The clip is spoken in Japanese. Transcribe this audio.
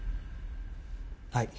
はい。